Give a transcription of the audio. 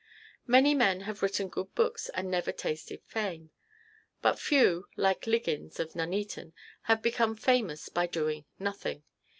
Many men have written good books and never tasted fame; but few, like Liggins of Nuneaton, have become famous by doing nothing.